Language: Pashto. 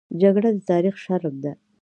جګړه د تاریخ شرم ده